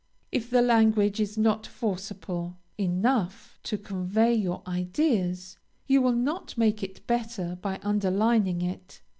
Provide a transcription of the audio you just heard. If the language is not forcible enough to convey your ideas, you will not make it better by underlining it.